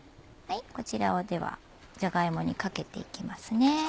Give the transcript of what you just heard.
こちらをではじゃが芋にかけていきますね。